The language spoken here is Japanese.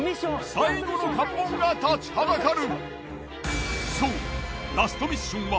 最後の関門が立ちはだかる！